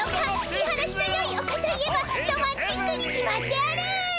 見晴らしのよいおかといえばロマンチックに決まっておる！